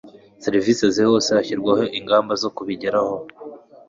serivisi zihuse hashyirwaho ingamba zo kubigeraho